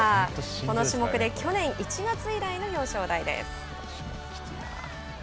この種目で去年１月以来の表彰台です。